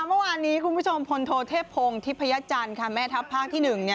เมื่อวานนี้คุณผู้ชมพลโทเทพพงศ์ทิพยจันทร์แม่ทัพภาคที่๑